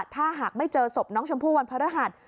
ถ้าหากไม่เจอศพน้องชมพู่วันพระรหัส